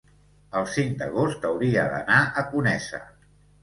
el cinc d'agost hauria d'anar a Conesa.